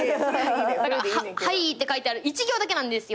「はい」って書いてある１行だけなんですよ。